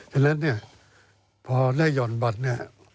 ฉะนั้นเนี่ยพอได้ห่อนบัตรเนี่ย